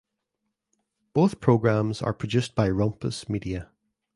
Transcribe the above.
Both programmes are produced by Rumpus Media.